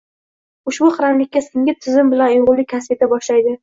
ushbu qaramlikka singib, tizim bilan uyg‘unlik kasb qila boshlaydi